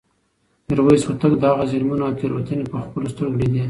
میرویس هوتک د هغه ظلمونه او تېروتنې په خپلو سترګو لیدې.